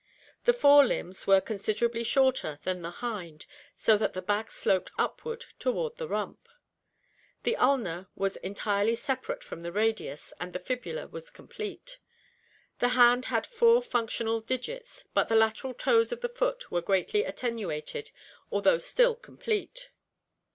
The fore limbs were considerably shorter than the hind so that the back sloped upward toward the rump. The ulna was en tirely separate from the radius and the fibula was complete. The hand had four functional digits but the lateral toes of the foot were greatly attenuated although still complete.